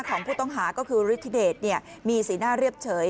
ของผู้ต้องหาก็คือฤทธิเดชมีสีหน้าเรียบเฉย